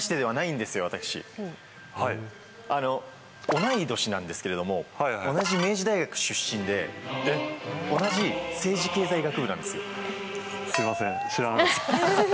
同い年なんですけれども同じ明治大学出身で同じ政治経済学部なんです。